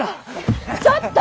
ちょっと！